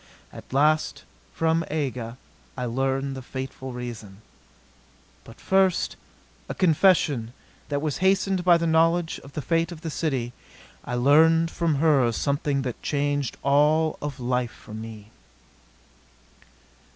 At last, from Aga, I learned the fateful reason. But first a confession that was hastened by the knowledge of the fate of the city I learned from her something that changed all of life for me.